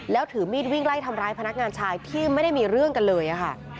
แล้วถือมีดวิ่งไล่ทำร้ายพนักงานชายที่ไม่ได้มีเรื่องกันเลยค่ะ